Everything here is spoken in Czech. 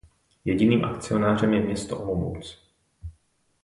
Jediným akcionářem je město Olomouc.